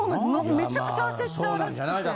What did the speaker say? めちゃくちゃ焦っちゃうらしくて。